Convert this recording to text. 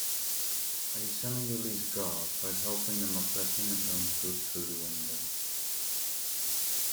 A Senegalese guard tried helping them by passing his own food through the window.